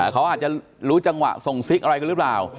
เขาอาจจะรู้จังหวะส่งซิกอะไรกันหรือเปล่า